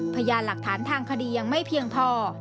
พยานหลักฐานทางคดียังไม่เพียงพอ